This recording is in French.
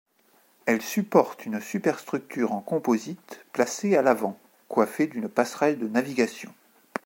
Elle supporte une superstructure en composite placée à l'avant, coiffée d'une passerelle de navigation.